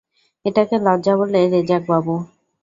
এটাকে লজ্জা বলে রেজাক বাবু।